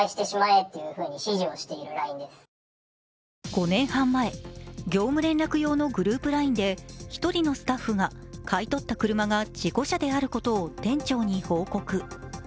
５年半前、業務連絡用のグループＬＩＮＥで１人のスタッフが、買い取った車が事故車であることを店長に報告。